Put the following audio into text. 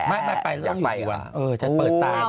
ไม่ไปต้องอยู่อีกวันจะเปิดตา